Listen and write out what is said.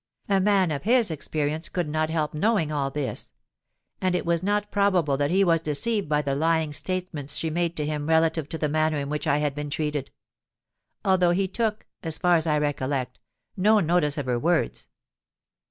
A man of his experience could not help knowing all this; and it was not probable that he was deceived by the lying statements she made to him relative to the manner in which I had been treated—although he took, as far as I recollect, no notice of her words.